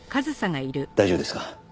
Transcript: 大丈夫ですか？